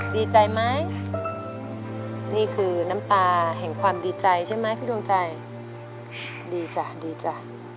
ดีใจไหมนี่คือน้ำตาแห่งความดีใจใช่ไหมพี่ดวงใจดีจ้ะดีจ้ะ